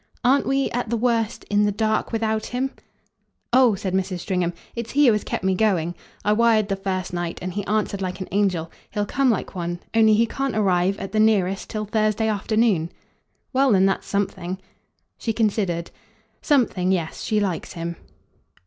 "Aren't we, at the worst, in the dark without him?" "Oh," said Mrs. Stringham, "it's he who has kept me going. I wired the first night, and he answered like an angel. He'll come like one. Only he can't arrive, at the nearest, till Thursday afternoon." "Well then that's something." She considered. "Something yes. She likes him."